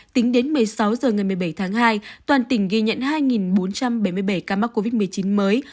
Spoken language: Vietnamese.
tính đến một mươi sáu h ngày một mươi bảy tháng hai toàn tỉnh ghi nhận hai bốn trăm bảy mươi bảy ca mắc covid một mươi chín mới